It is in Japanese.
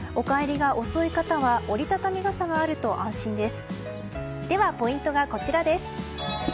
お帰りが遅い方は折り畳み傘があると安心です。